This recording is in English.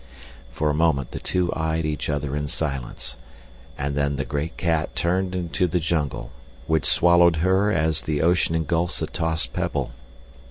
For a moment the two eyed each other in silence, and then the great cat turned into the jungle, which swallowed her as the ocean engulfs a tossed pebble.